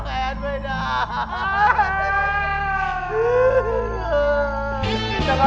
ค่าวบ้าจ๊า